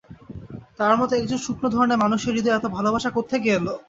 তাঁর মতো একজন শুকনো ধরনের মানুষের হৃদয়ে এত ভালবাসা কোত্থেকে এলো?